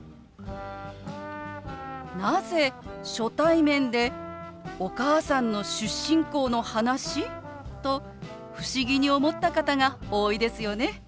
「なぜ初対面でお母さんの出身校の話？」と不思議に思った方が多いですよね。